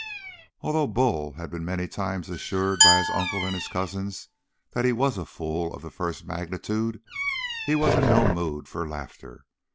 Although Bull had been many times assured by his uncle and his cousins that he was a fool of the first magnitude, he was in no mood for laughter.